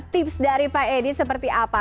tips dari pak edi seperti apa